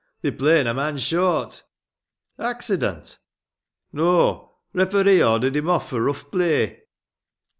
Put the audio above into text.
They're playing a man short." "Accident?" "No! Referee ordered him off for rough play."